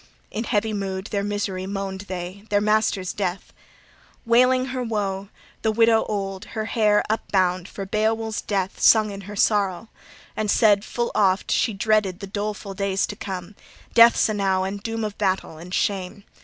In heavy mood their misery moaned they, their master's death. Wailing her woe, the widow {41a} old, her hair upbound, for Beowulf's death sung in her sorrow, and said full oft she dreaded the doleful days to come, deaths enow, and doom of battle, and shame.